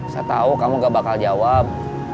saya tahu kamu gak bakal jawab